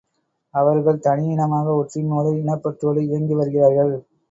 அவர்கள் தனி இனமாக ஒற்றுமையோடு இனப் பற்றோடு இயங்கி வருகிறார்கள்.